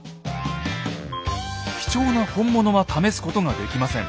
貴重な本物は試すことができません。